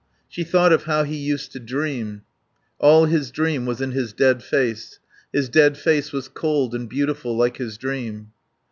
She thought of how he used to dream. All his dream was in his dead face; his dead face was cold and beautiful like his dream.